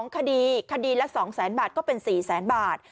๒คดีคดีละ๒๐๐๐๐๐บาทก็เป็น๔๐๐๐๐๐บาท